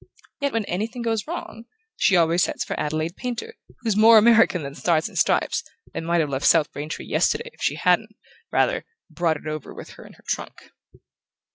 Yet when anything goes wrong she always sends for Adelaide Painter, who's more American than the Stars and Stripes, and might have left South Braintree yesterday, if she hadn't, rather, brought it over with her in her trunk."